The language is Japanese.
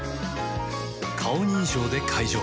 顔認証で解錠